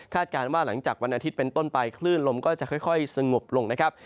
การว่าหลังจากวันอาทิตย์เป็นต้นไปคลื่นลมก็จะค่อยสงบลงนะครับ